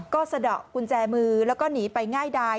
ก็สะดอกกุญแจมือแล้วก็หนีไปง่ายดาย